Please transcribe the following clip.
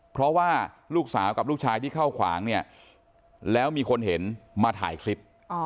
เพราะว่าลูกสาวกับลูกชายที่เข้าขวางเนี่ยแล้วมีคนเห็นมาถ่ายคลิป